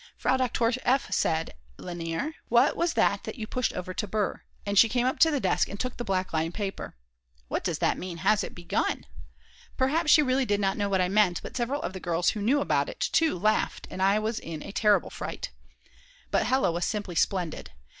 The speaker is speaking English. Frau Doktor F. said: Lainer, what was that you pushed over to Br.? and she came up to the desk and took the black line paper. "What does that mean: Has it begun???" Perhaps she really did not know what I meant, but several of the girls who knew about it too laughed, and I was in a terrible fright. But Hella was simply splendid.